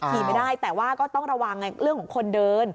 ไม่ได้แต่ว่าก็ต้องระวังไงเรื่องของคนเดิน